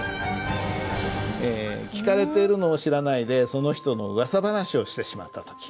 聞かれているのを知らないでその人の噂話をしてしまった時。